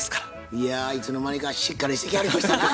いやいつの間にかしっかりしてきはりましたな。